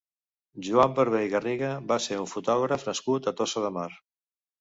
Joan Barber i Garriga va ser un fotògraf nascut a Tossa de Mar.